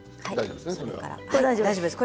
大丈夫です。